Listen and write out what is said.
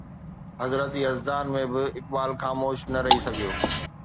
حضرت يزدان ۾ به اقبال خاموش نه رهي سگهيو